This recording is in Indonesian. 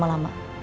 kau mau tidur